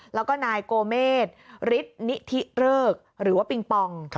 แล้วก็นายโกเมษฤทธินิธิเริกหรือว่าปิงปอง